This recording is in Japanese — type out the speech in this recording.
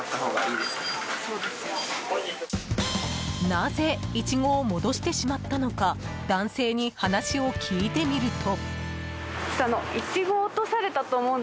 なぜ、イチゴを戻してしまったのか男性に話を聞いてみると。